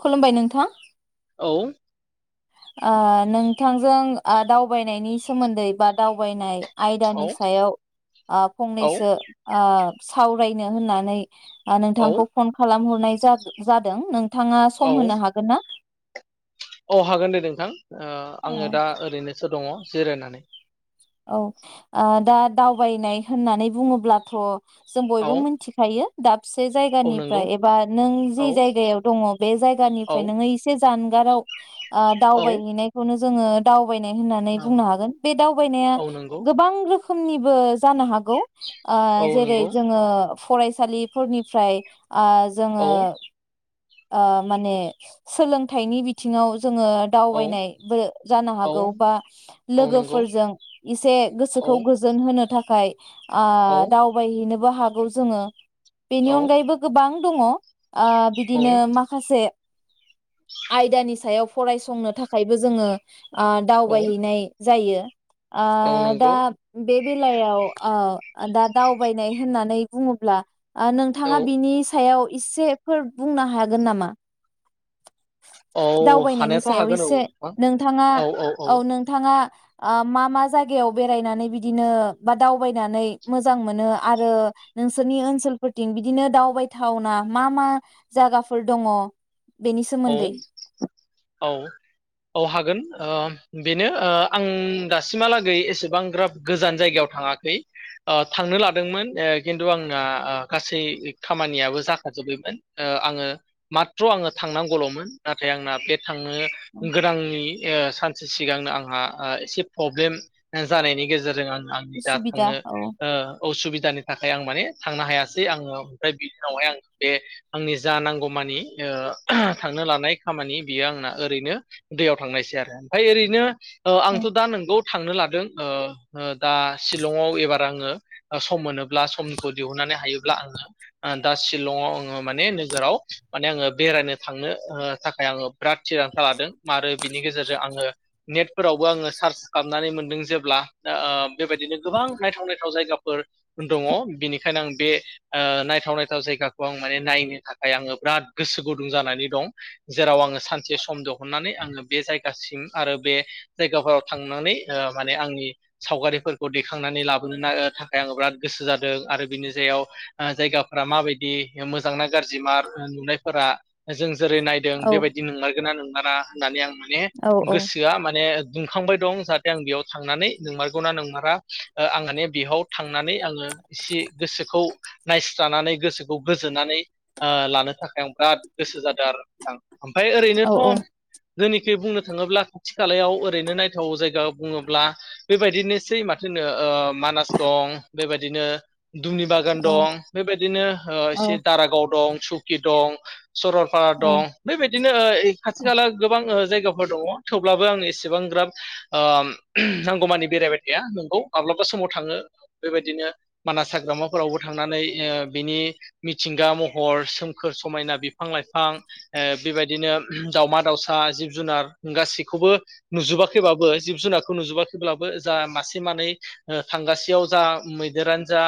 [inaudible] खुलुमबाय नोंथां। औ ओ नोंथांजों दावबायनायनि सोमोन्दै बा दावबायनाय आयदानि औ सायाव ओ औ फंनैसो ओ सावरायनो होननानै ओ औ नोंथांखौ फन खालामहर नाय जा-जादों। थांङा औ सम होनो हागोन ना? औ हागोन दे नोंथां। ओ ओ आङो दा ओरैनोसो दङ। जिरायनानै औ ओ दा दावबायनाय होननानै बुङोब्लाथ' जों औ बयबो मोनथिखायो दाब से औ नंगौ जायगानिफ्राय एबा नों जि औ जायगायाव दङ बे औ जायगानिफ्राय नोङो एसे जानगाराव औ दावबायहैनायखौनो जा जोङो दाउ बायनाइ होननानै औ बुंनो हागोन बे दाउ नाया औ नंगौ गोबां रो रोखोमनिबो जानो हागौ औ जेरै नंगौ जोङो फरायसालिफोरनिफ्राय आ औ जोङो आ माने सोलोंथाइनि बिथिङाव जोङो औ दावबायनायबो जानो औ हागौ बा औ नंगौ लोगोफोरजों एसे औ गोसोखौ गोजोन होनो थाखाय आ औ दावबायहैनोबो बो हागौ जोंङो औ बेनि अनगायैबो गोबां दङ औ बिदिनो माखासे आयदानि सायाव फरायसंनो थाखायबो जोंङो ओ औ दावबायहैनाय जायो ओ औ दा नंगौ बे बेलायाव ओ दा दावबायनाय होननानै बुंङोब्ला औ नोंथांङा बिनि सायाव इ इसे फोर बुंनो हागोन नामा औ दावबायनायनि हानायाथ' सायाव हागोन औ एसे नोंथां नोंथांङा औ नोंथांङा ओ मा-मा जायगायाव बेरायनानै बिदिनो बा दावबायनानै मोजां मोनो आरो नोंसोरनि ओनसोलफोरथिं बिदिनो दावबायथावना मा-मा जागाफोर दंङ औ-औ-औ हागोन बेनो आं दासिमहालागै एसेबांग्राब गोजान जायगायाव थाङाखै थांनो लादोंमोन खिन्थु आंना गासै खामानियाबो जाखाजोबबायमोन आङो माथ्र' आङो थांनांगौलमोन नाथाय आंना बेद थांनो गोनांनि ओ सानसे सिगांनो आंहा एसे प्रब्लेम जानायनि गेजेरजों आं आंनि दा उसुबिदा थांनो औ ओ असुबिदानि थाखाय आं माने थांनो हायासै आंङो ओमफ्राय बिनि उनावहाय आं बे आंनि जा नांगौ मानि ओ [unintelligible] थांनो लानाय खामानि बियो आंना ओरैनो दैयाव थांनायसै आरो ओमफाय ओरैनो ओ औ आथ दा नोंगौ थांनो लादों ओ ओ दा शिलंआव एबार आंङो सम मोनोब्ला समखौ दिहुननानै हायोब्ला आंङो दा शिलंआव आंङो माने नोगोराव माने आंङो बेरायनो थांनो थाखाय आंङो बिराद थिरांथा लादों आरो बिनि गेजेरजों आंङो नेटफोरावबो आंङो सार्च खालामनानै मोनदों जेब्ला बेबायदिनो गोबां नायथाव-नायथाव जायगाफोर दंङ बेनिखायनो आं बे नायथाव-नायथाव जायगाखौ आं माने नायनो थाखाय आंङो बिराद गोसो गुदुं दुं जानानै दं जेराव आंङो सानसे सम देहुननानै आंङो बे जायगासिम आरो बे जायगाफोराव थांनानै ओ माने आंनि सावगारिफोरखौ दैखांनानै लाबोनो थाखाय आंङो बिराद गोसो जादों आरो बिनि जायाव जायगाफोरा माबायदि मोजांना गाज्रि मार नुनायफोरा जों जेरै नायदों औ बेबायदि नोंमारगोनना नोंमारा [unintelligible] मे औ गोसोआ माने दुंखांबाय दं जाहाथे आं बेयाव थांनानै नोंमारगौना नोंमारा आंहाने बेयाव थांनानै आंङो एसे गोसोखौ नायस्रानानै गोसोखौ गोजोननानै ओ लानो थाखाय आं बिराद गोसो जादों आरो नों‌थां ओमफाय औ ओरैनोथ औ जेनिखि बुंनो थांङोब्ला खाथि खालायाव ओरैनो नायथाव जायगा बुंङोब्ला बेबायदिनोसै माथो होनो ओ‌ मानास दं बेबायदिनो दुमनि बागान औ दं बेबायदिनो औ एसे दारागाव दं सुकि दं सरलपारा दं बेबायदिनो ओ खाथि खाला गोबां ओ जायगाफोर दङ, थेवब्लाबो आं एसेबांग्राब ओ नांगौमानि बेरायबाय थाया, नंगौ माब्लाबा समाव थाङो बेबायदिनो मानास हाग्रामाफोरावबो थांनानै ओ बिनि मिथिंगा महर सोमखोर समायना बि फां लाइफां ओ बेबायदिनो दावमा दाउसा, जिब जुनार गासैखौबो नुजोबाखैबाबो जिब जुनारखौ नुजोबाखैब्लाबो जा मासे मानै ओ थांगासेयाव जा मैदेरानो जा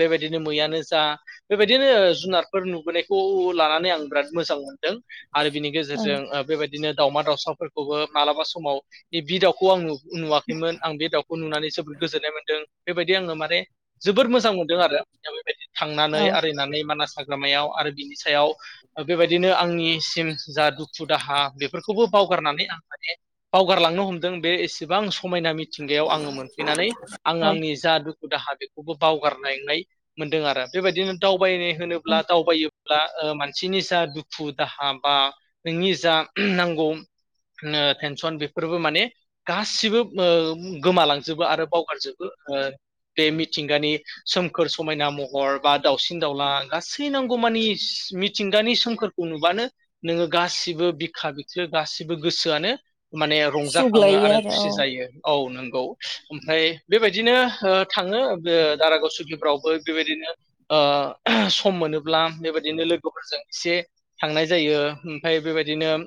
बेबायदिनो मैयानो जा बेबायदिनो ओ जुनारफोर नुबोनायखौ लानानै आं बिराद मोजां मोनदों आरो बिनि औ गेजेरजों ओ बेबाय दिनो दाउमा दाउसाफोरखौबो मालाबा समाव बिब्दि दाउखौ आं नु नुवाखैमोन आं बे दाउखौ नुनानै जोबोद गोजोननाय मोनदों बेबायदि आङो माने जोबोद मोजां मोनदों आरो दा बेबायदि थांनानै औ आरिनानै मानास हा ग्रामायाव आरो बिनि सायाव बेबायदिनो आंनिसिम जा दुखु दाहा बेफोरखौबो बावगारनानै आं माने बावगारलांनो हमदों बे एसेबां समायना मिथिं गायाव आङो मोनफैनानै आङो औ आंनि जा दुु खु दाहा बेखौबो बावगारनायलांनाय मोनदों आरो बेबायदिनो दावबायनाय होनोब्ला दावबायोब्ला ओ मान सिनि जा दुखु दाहा बा नोंनि जा नांगौ ओ थेनसन बेफोरबो माने गासिबो ओ गोमालांजोबो आरो बावगारजोबो ओ बे मिथिंगानि सोमखोर समायना महर बा दावसिन दाउला गासै नांगौ मानि मि थिंगानि सोमखोरखौ नुबानो नोङो गासिबो बिखा बिखलो गासिबो गोसोआनो माने रंजाखाङो आरो खुसि जायो औ नोंगौ ओमफ्राय बेबायदिनो ओ थाङो दारागाव सुकिफ्रावबो बेबायदिनो ओ सम मोनोब्ला बेबायदिनो लो गोफोरजों एसे थांनाय जायो ओमफाय बेबायदिनो ओम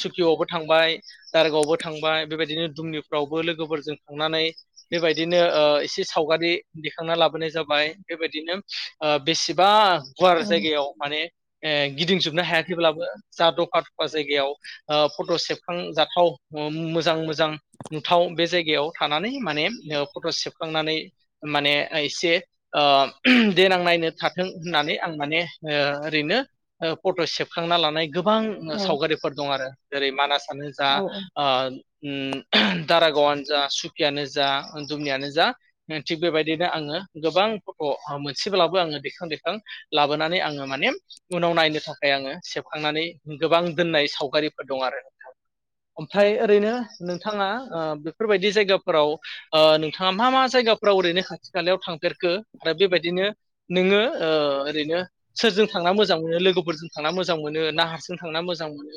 सुकिआवबो थांबाय दारागावावबो थांबाय, बेबायदिनो दुमनिफ्रावबो लोगोफोरजों थांनानै बेबायदिनो ओ एसे सावगारि दिखांना लाबोनाय जाबाय, बेबायदिनो ओ बेसेबा गुवार औ जायगायाव माने गिदिंजोबनो हायाखैब्लाबो जा दफा दफा जायगायाव ओ फट सेबखांजाथाव मोजां मोजां नुथाव बे जायगायाव थानानै माने ओ फट सेबखांनानै माने एसे ओ देनां नायनो थाथों होननानै आं माने ओ ओरैनो ओ फट सेबखांना लानाय गोबां ओ सावगारिफोर दं आरो जेरै मानास आनो जा औ ओ ओम दारागावानो जा, सुकियानो जा, दुमनियानो जा, थिग बेबायदिनो आङो गोबां फट' मोनसेब्लाबो आङो दैखां दैेखां लाबोनानै आङो माने उनाव नायनो थाखाय आङो सेबखांनानै गोबां दोननाय सावगारिफोर दं आरो नोंथां। ओमफ्राय औ औ ओरैनो नों थाङा ओ बेफोरबायदि जायगाफोराव ओ नोंथाङा मा मा जायगाफ्राव ओरैनो खाथि खालायाव थांफेरखो आरो बेबायदिनो नोङो ओ ओरैनो सोरजों थांना मोजां मोनो, लोगोफोरजों थांना मोजां मोनो ना हारसि थांना मोजां मोनो।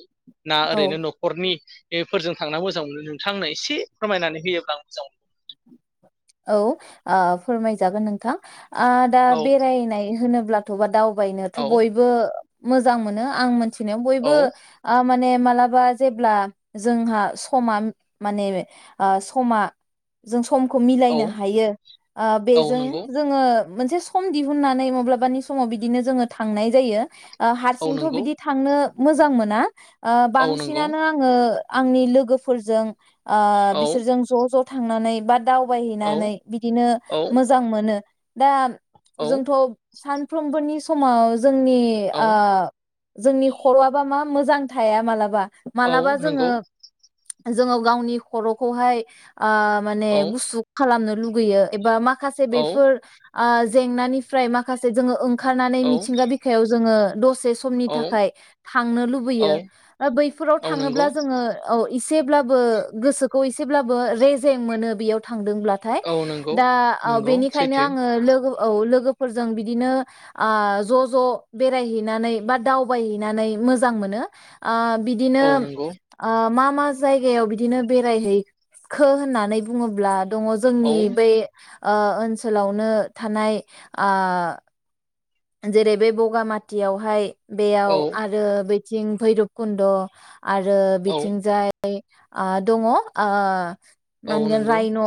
ना औ ओरैनो नखरनि बेफोरजों थांना मोजां मोनो नोंथांनो एसे फोरमायनानै होयोब्ला आं मोजां मोन। औ फोरमायजागोन नोंथां। आ दा मोनो औ बेरायनाय होनो ब्लाथ बा दाव बायनोथ औ बयबो मोजां मोनो आं मोन थिनायाव बयबो औ आ मा माने मालाबा जेब्ला जोंहा समा माने आ समा जों सम खौ औ मिलायनो हायो ओ औ बेजों नंगौ जोंङो मोनसे सम दिहुननानै मब्लाबानि समाव बिदिनो जोंङो थांनाय जायो। ओ औ हारसिंथ नंगौ बिदि थांनो मोजां मोना। ओ औ नंगौ बांसिनानो आङो आंनि लोगोफोरजों ओ औ बिसोरजों ज' ज' थांनानै बाद औ बायहैनानै बिदिनो औ मोजां मोनो। दा औ जोंथ सानफ्रोमबोनि समाव जोंनि औ ओ जोंनि ख'रआबा मा मोजां थाया मालाबा औ मालाबा जोंङो नंगौ जोंङो गावनि ख'रखौहाय ओ माने औ खालामनो लुुगैयो एबा मा खासे औ बेफोर ओ जेंनानिफ्राय माखासे जोंङो‌ ओं खारनानै औ मिथिंगा बिखायाव जोंङो दस से समनि औ थाखाय थांनो लुबैयो औ ओ बैफोराव औ नंगौ थाङोब्ला जोंङो औ। एसेब्लाबो गोसोखौ एसेब्लाबो रेजें मोनो बेयाव थांदों ब्लाथाय औ नंगौ दा नंगौ बेनिखायनो सैथो आङो लोगो औ लोगोफोरजों बिदिनो आ ज ज बेरायहैनानै बा दावबायहैनानै मोजां मोनो ओ बिदिनो औ नंगौ ओ मा मा जायगायाव बिदिनो बेरायहैखो होननानै बुंङो ब्ला दङ जोंनि औ बे ओ ओनसोलावनो थानाय आ जेरै बे बगामातियावहाय औ बेयाव आरो बै थिं भैरब कुन्द आरो औ बिथिंजाय ओ दङ ओ औ मानगोन नंगौ रायन'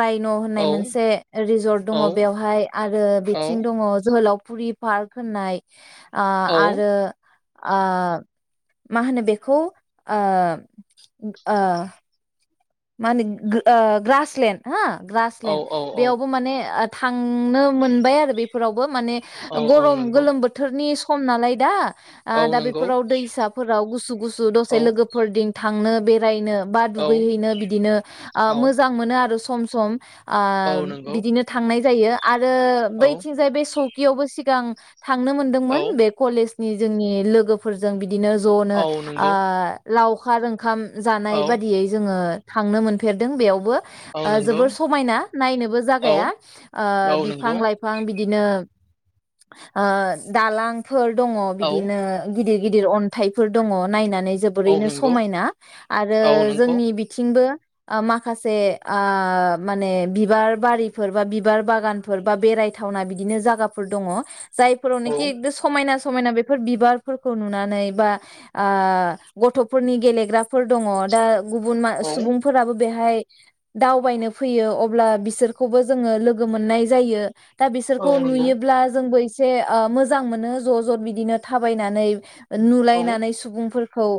रायन' औ होननाय मोनसे रिजर्ट औ दंङ बेवहाय आरो औ बिथिं दंङ जोहोलाव फुरि पार्क होननाय ओ औ आरो ओ मा होनो बेखौ ओ ओ मा होनदों गो ओ ग्रासलेन हा औ ग्रासलेण्ड औ औ बेयावबो माने आ थांनो मोनबाय आरो बेफोरावबो। माने औ औ गरम नंगौ गोलोम बोथोरनि खम नालाय दा ओ औ दा नंगौ बेफोराव दैसाफोराव गुसु गुसु दसे औ लोगोफोरदिं थांनो बेरायनो बा औ दुगैहैनो बि बिदिनो ओ औ मोजां मोनो आरो सम सम ओ औ नंगौ बिदिनो थांनाय जायो आ रो औ बैथिंजाय बे सकियावबो सिगां थांनो औ मोनदोंमोन बे कलेज नि जोंनि लोगोफोरजों बि दिनो ज'नो औ ओ नंगौ लावखार ओं खाम औ जानाय बादियै जोंङो। थांनो मोनफेरदों बेयावबो। औ ओ नंगौ जोबोर समायना नायनोबो औ जागाया। ओ औ बिफां नंगौ लाइफां बिदिनो ओ दालां फोर दङ औ बिदिनो गिदिर गिदिर अन्थाइफोर दङ नायना नै औ जोबोरैनो नंगौ समायना आरो औ नंगौ जोनि बि बो ओ माखासे ओ माने बिबार बारिफोर बा बिबार बागानफोर बा बेरायथावना बिदिनो जागाफोर दंङ । औ जायफोरावनोखि एकद समायना समायना बेफोर बिबारफोरखौ नुनानै बा, ओ गथ'फोरनि गेलेग्राफोर दंङ दा गुबुन औ सुबुंफोराबो बेहाय दावबायनो फैयो अब्ला बिसोरखौबो जोङो लोगो मोननाय जायो। दा औ बिसोरखौ नंगौ नुयोब्ला जोंबो ए ओ मोजां मोनो ज ज बिदिनो थाबायनानै। औ नुलायनानै सुबुंफोर खौ ओ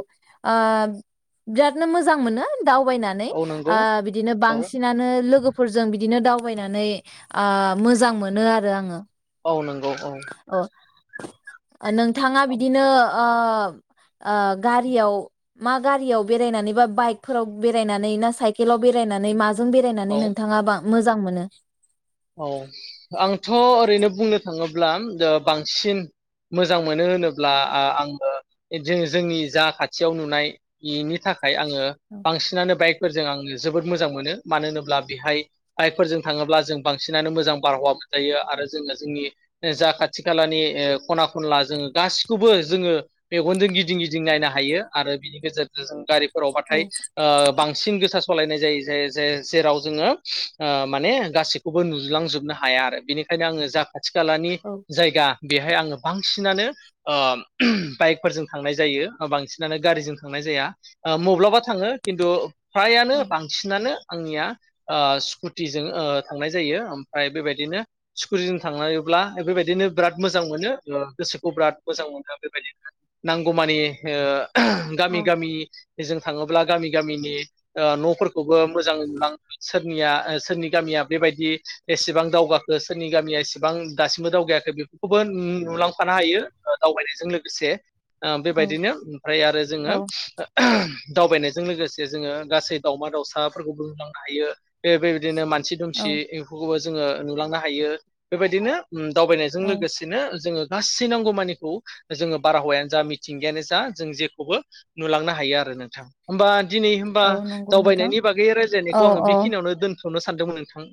बिरादनो मोजां मोनो। दावबायनानै औ ओ नंगौ बिदिनो औ बांसिनानो लोगोफोरजों बि बिदिनो दावबायनानै आ मोजां मोनो आरो आङो। औ नंगौ औ। नोंथाङा बिदिनो ओ ओ गारियाव मा गारियाव बेरायनानै बा बाइकफोराव बेरायनानै ना साइकेलाव बेरायनानै मा जों बेरायनानै औ नोंथाङा बां मोजां मोनो। औ आंथ ओरैनो बुंनो थाङोब्ला जो बांसिन मोजां मोनो होनोब्ला आ आङो जोंनि जा खाथियाव नुनाय नि थाखाय आङो औ बांसिनानो बाइक फोरजों आङो जोबोद मोजां मोनो मानो होनोब्ला बिहाय बाइकफोरजों थाङोब्ला जों बांसिनानो मोजां बारहावा मोनजायो आरो जोङो जोंनि जा खाथि खालानि खना खनला जोङो गासिखौबो जोङो मेगनजों गिदिं गिदिं नायनो हायो, आरो बिनि गेजेरजों जों गारि औ बाथाय ओ बांसिन गोसा सलायनाय जायो जे जे जेराव जोङो ओ माने गासिब खौबो नुज्लांजोबनो हाया आरो बेनिखायनो आङो जा खाथि खालानि औ जायगा। बिहाय आङो बांसिनानो ओ, बाइकफोरजों थांनाय जायो बांसिनानो गारिजों थांनाय जाया। मब्लाबा थाङो खिन्थु फ्रायानो औ बांसिनानो आंनिया ओ स्कुटिजों ओ थांनाय जायो ओमफ्राय बेबायदिनो स्कुटिजों थांनायोब्ला बेबायदिनो बिराद मोजां मोनो गोसोखौ बिराद मोजां मोनो बेबायदिनो नांगौमानि ओ औ गामि गामि जों थाङोब्ला गामि गामिनि ओ न'फोरखौबो मोजाङै नुलाङो सोरनिया ओ सोरनि गामिया बेबायदि एसेबां दावगाखो सोरनि गामिया एसेबां दासिमबो दावगायाखै बेफोरखौबो नुलांफानो हायो ओ दावबायनायजों लोगोसे ओ बेबायदिनो ओमफ्राय आरो औ जोङो दावबायनायजों लोगोसे जोङो गासै दावमा दाउसाफोरखौ नुलांनो हायो बे बेबायदिनो मानसि दुम सि औ इफोरखौबोज जोङो नुलांनो हायो बेबायदिनो उम दावबायनायजों औ लोगोसेनो जोङो गासै नांगौ मानिखौ जोङो बारहावायानो जा मिथिंगायानो जा जों जेखौबो नुलांनो हायो आरो नोंथां ओमबान दिनै होमबा औ नंगौ नोंथां दावबायनायनि बागै औ रायज्लायनायखौ आङो औ बेखिनियावनो दोन थसनो सानदोंमोन नोंथां। आं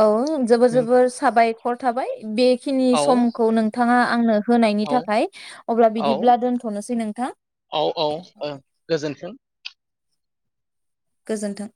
औ जोबोर जोबोर साबायखर थाबाय बेखिनि औ समखौ नोंथाङा आंनो होनायनि औ थाखाय अब्ला बिदिब्ला दोनथ'नोसै नों औ औ ओ गोजोन्थों। गोजोन्थों